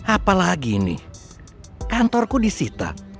apalagi ini kantorku disita